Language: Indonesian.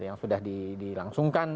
yang sudah dilangsungkan